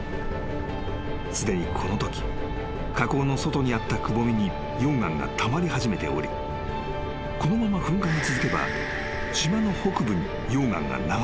［すでにこのとき火口の外にあったくぼみに溶岩がたまり始めておりこのまま噴火が続けば］